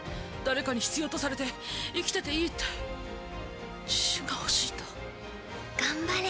誰かに必要とされて生きてていいって自信が欲しいんだ。